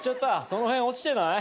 その辺落ちてない？